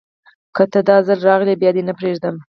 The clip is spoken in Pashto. که ته، داځل راغلي بیا دې نه پریږدم